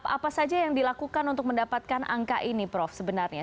apa saja yang dilakukan untuk mendapatkan angka ini prof sebenarnya